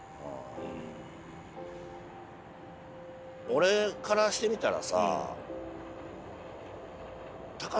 俺からしてみたらさ。